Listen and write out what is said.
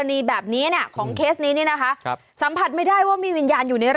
นี่นี่นี่นี่นี่นี่นี่นี่นี่นี่นี่นี่